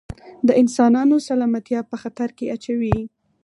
د انسانانو سلامتیا په خطر کې اچوي.